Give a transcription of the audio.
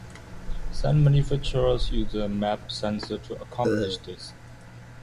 Some manufacturers use the MaP sensor to accomplish this.